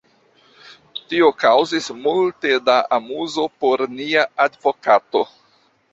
Tio kaŭzis multe da amuzo por nia advokato!